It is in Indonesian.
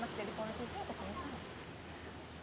lebih enak jadi politiknya apa politiknya